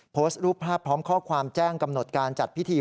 โพสต์รูปภาพพร้อมข้อความแจ้งกำหนดการจัดพิธี